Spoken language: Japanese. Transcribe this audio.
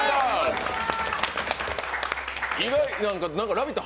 「ラヴィット！」